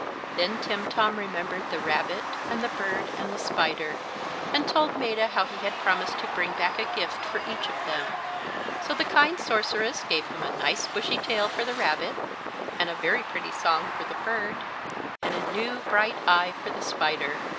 Then Timtom remembered the rabbit, and the bird, and the spider, and told Maetta how he had promised to bring back a gift for each of them. So the kind sorceress gave him a nice, bushy tail for the rabbit, and a very pretty song for the bird, and a new, bright eye for the spider.